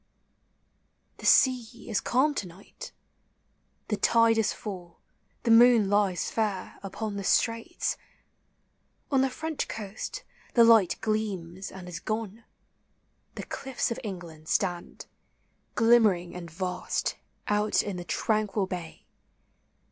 The sea is calm to night. The tide is full, the moon lies fair Upon the straits; — on the French coast the light Gleams and is gone; the cliffs of England stand, Glimmering and vast, out in the tranquil bay.